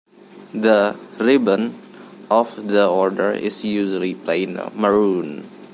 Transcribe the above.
The "ribbon" of the order is usually plain maroon.